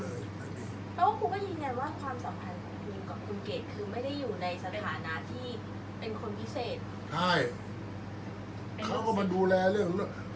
อันไหนที่มันไม่จริงแล้วอาจารย์อยากพูด